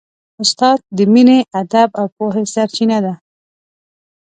استاد د مینې، ادب او پوهې سرچینه ده.